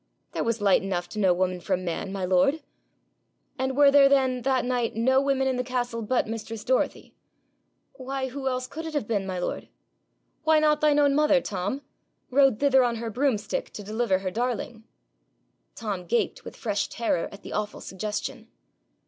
'There was light enough to know woman from man, my lord.' 'And were there then that night no women in the castle but mistress Dorothy?' 'Why, who else could it have been, my lord?' 'Why not thine own mother, Tom rode thither on her broomstick to deliver her darling?' Tom gaped with fresh terror at the awful suggestion.